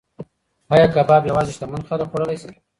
ایا کباب یوازې شتمن خلک خوړلی شي؟